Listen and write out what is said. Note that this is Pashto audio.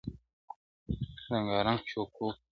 • د رنګارنګ شګوفو -